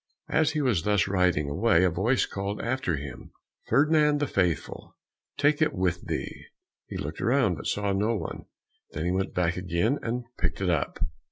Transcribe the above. As he was thus riding away, a voice called after him, "Ferdinand the Faithful, take it with thee." He looked around, but saw no one, then he went back again and picked it up.